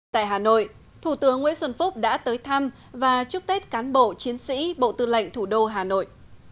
tại hà nội thủ tướng nguyễn xuân phúc đã tới thăm và chúc tết cán bộ chiến sĩ bộ tư lệnh thủ đô hà nội